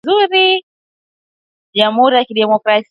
asilimia tano Jamhuri ya Kidemokrasia ya Kongo